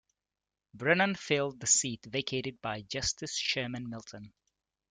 Brennan filled the seat vacated by Justice Sherman Minton.